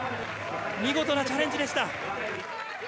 見事なチャレンジでした。